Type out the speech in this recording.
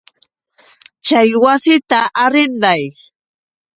Chay wasita arrinday.